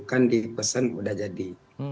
bukan dipesan sudah jadi